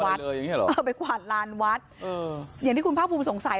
อย่างเงี้เหรอเออไปกวาดลานวัดเอออย่างที่คุณภาคภูมิสงสัย